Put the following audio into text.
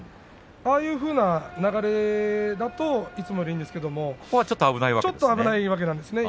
ああいうふうな流れだといつもはいいんですがちょっと危ないわけですね